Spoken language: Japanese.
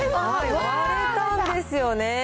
割れたんですよね。